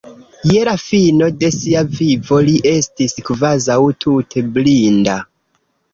Je la fino de sia vivo li estis kvazaŭ tute blinda.